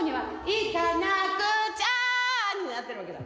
行かなくちゃになってるわけだよ。